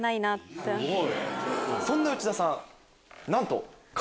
そんな内田さん。